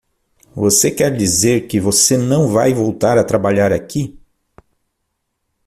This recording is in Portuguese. Você quer dizer que você não vai voltar a trabalhar aqui?